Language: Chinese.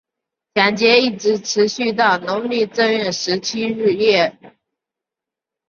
抢劫一直持续到农历正月十七日夜。